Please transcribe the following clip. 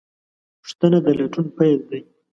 پوښتنه د لټون پیل ده.